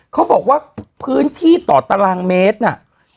เขาบอกว่าพื้นที่ต่อตารางเมตรน่ะ